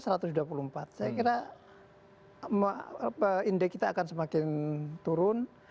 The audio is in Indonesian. saya kira indeks kita akan semakin turun